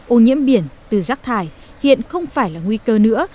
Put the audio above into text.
ô nhiễm biển từ rác thải hiện không phải là nguy cơ nữa